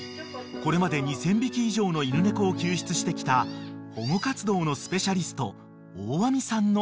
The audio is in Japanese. これまで２，０００匹以上の犬猫を救出してきた保護活動のスペシャリスト大網さんの元］